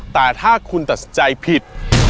แต่ถ้าคุณตัดสินใจผิด